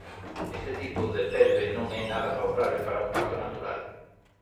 Este tipo de pelve non é nada favorable para un parto natural.